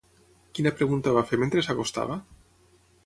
Quina pregunta va fer mentre s'acostava?